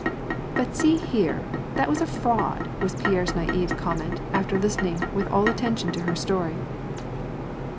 " But see here, that was a fraud," was Pierre's naive com ment, after listening with all attention to her story.